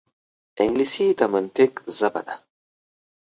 انګلیسي د منطق ژبه ده